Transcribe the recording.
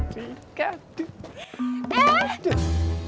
eh rika aduh